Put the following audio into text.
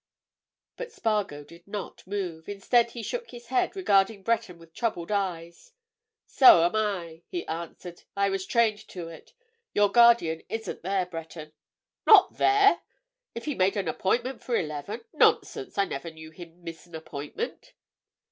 But Spargo did not move. Instead, he shook his head, regarding Breton with troubled eyes. "So am I," he answered. "I was trained to it. Your guardian isn't there, Breton." "Not there? If he made an appointment for eleven? Nonsense—I never knew him miss an appointment!"